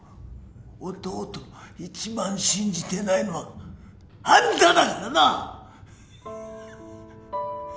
弟を一番信じてないのはあんただからな！